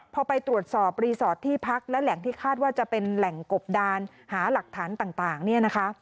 พอไปตรวจสอบรีสอร์ทที่พักและแหล่งที่คาดว่าจะเป็นแหล่งกบดานหาหลักฐานต่างเนี่ยนะคะ